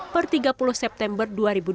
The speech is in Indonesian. per tiga puluh september dua ribu dua puluh